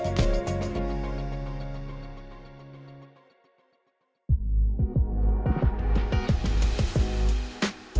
wah thank you banget dam